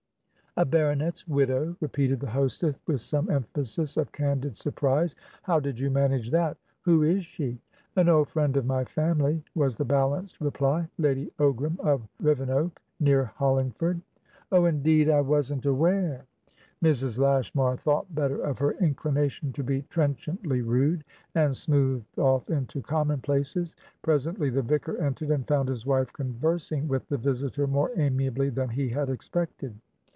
"A baronet's widow?" repeated the hostess, with some emphasis of candid surprise. "How did you manage that? Who is she?" "An old friend of my family," was the balanced reply. "Lady Ogram, of Rivenoak, near Hollingford." "Oh! Indeed! I wasn't aware" Mrs. Lashmar thought better of her inclination to be trenchantly rude, and smoothed off into commonplaces. Presently the vicar entered, and found his wife conversing with the visitor more amiably than he had expected.